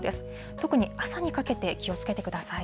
特に朝にかけて、気をつけてください。